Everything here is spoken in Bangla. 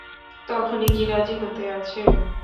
তখুনি কি রাজি হতে আছে?